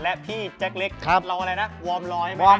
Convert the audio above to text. และพี่แจ็คเล็กเราอะไรนะวอร์มร้อยไหม